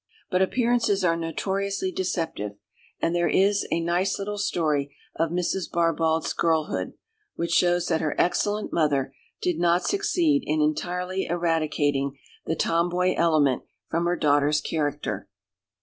But appearances are notoriously deceptive, and there is a nice little story of Mrs. Barbauld's girlhood, which shows that her excellent mother did not succeed in entirely eradicating the tomboy element from her daughter's character.